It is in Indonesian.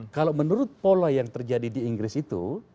kalau menurut pola yang terjadi di inggris itu